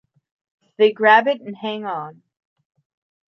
They grab it and hang on.